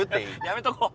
やめとこう。